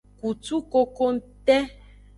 Kutu kokongte.